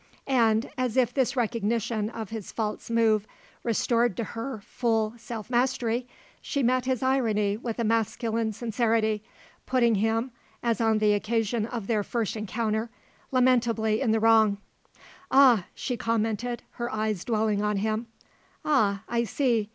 And, as if this recognition of his false move restored to her her full self mastery, she met his irony with a masculine sincerity, putting him, as on the occasion of their first encounter, lamentably in the wrong. "Ah," she commented, her eyes dwelling on him. "Ah, I see.